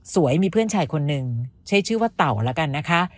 มีเพื่อนชายคนหนึ่งใช้ชื่อว่าเต่าแล้วกันนะคะ